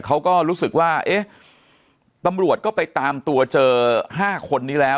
เขาก็รู้สึกว่าเอ๊ะตำรวจก็ไปตามตัวเจอ๕คนนี้แล้ว